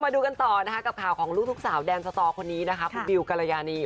ดูกันต่อนะคะกับข่าวของลูกทุกสาวแดนสตอคนนี้นะคะคุณบิวกรยานี